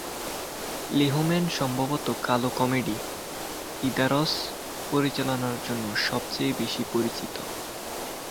Lehmann সম্ভবত কালো comedy "Heathers" পরিচালনার জন্য সবচেয়ে বেশি পরিচিত।